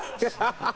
ハハハハ！